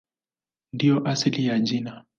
Ndiyo asili ya jina.